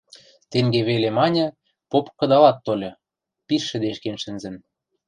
Тенге веле маньы, поп кыдалат тольы, пиш шӹдешкен шӹнзӹн.